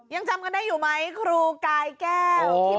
ยังจำกันได้อยู่ไหมครูกายแก้ว